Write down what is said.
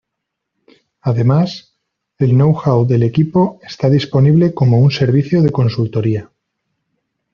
Además, el know how del equipo está disponible como un servicio de consultoría.